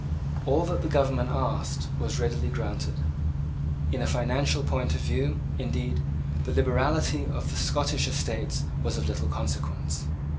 All that the government asked was readily granted. In a financial point of view, indeed, the liberality of the Scottish Estates was of little consequence.